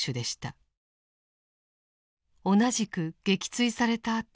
同じく撃墜されたあと